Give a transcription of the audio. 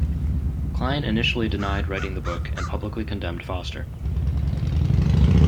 Klein initially denied writing the book and publicly condemned Foster.